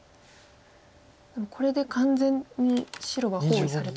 でもこれで完全に白は包囲されたと。